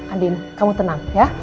andin kamu tenang ya